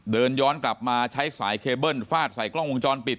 เดินย้อนกลับมาใช้สายเคเบิ้ลฟาดใส่กล้องวงจรปิด